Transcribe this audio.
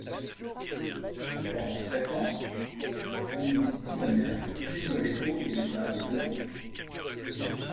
Pendant sept ans Ondi Timoner filme les hauts et les bas des deux groupes.